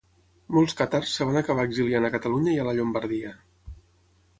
Molts càtars es van acabar exiliant a Catalunya i a la Llombardia.